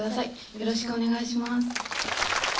よろしくお願いします。